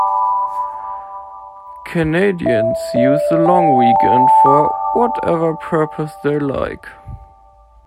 Canadians use the long weekend for whatever purpose they like.